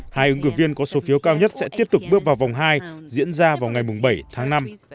hai ứng cử viên có số phiếu cao nhất sẽ tiếp tục bước vào vòng hai diễn ra vào ngày bảy tháng năm